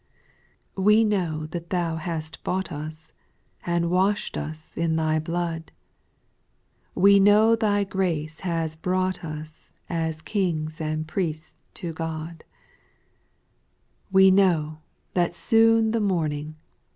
2. We know that Thou hast bought us, And wash'd us in Thy blood : We know Thy grace has brought us As kings and priests to God : We know that soon the morning.